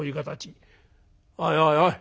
おいおいおい